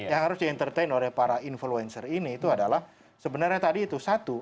yang harus di entertain oleh para influencer ini itu adalah sebenarnya tadi itu satu